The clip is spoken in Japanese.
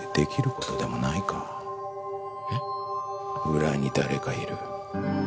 裏に誰かいる。